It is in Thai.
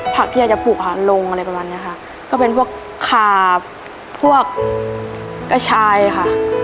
ผักที่อยากจะปลูกหาลงอะไรประมาณเนี้ยค่ะก็เป็นพวกขาบพวกกระชายค่ะ